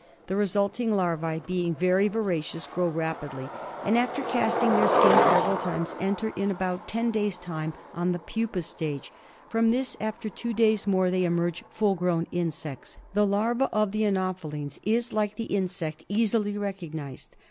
The resulting larvae being very voracious grow rapidly and, after casting their skins several times, enter, in about ten days' time, on the pupa stage; from this after two days more they emerge full grown insects. The larva of the anophelines is, like the insect, easily recognised.